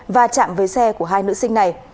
và chạm với xe của hai nữ sinh này